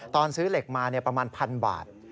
ตอนซื้อเหล็กมาประมาณ๑๐๐บาท